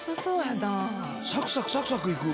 サクサクサクサクいく。